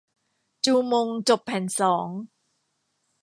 จูมงจบแผ่นสอง